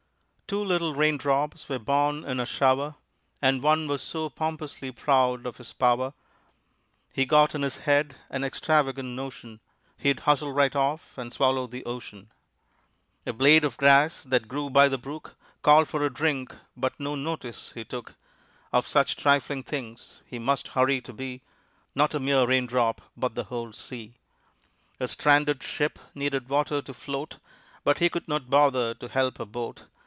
Two little raindrops were born in a shower, And one was so pompously proud of his power, He got in his head an extravagant notion He'd hustle right off and swallow the ocean. A blade of grass that grew by the brook Called for a drink, but no notice he took Of such trifling things. He must hurry to be Not a mere raindrop, but the whole sea. A stranded ship needed water to float, But he could not bother to help a boat.